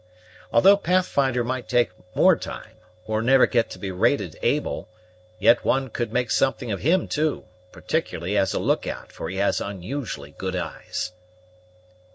Although Pathfinder might take more time, or never get to be rated able, yet one could make something of him too, particularly as a look out, for he has unusually good eyes."